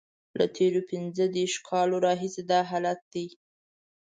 له تېرو پنځه دیرشو کالو راهیسې دا حالت دی.